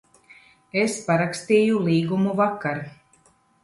Es parakstīju līgumu vakar.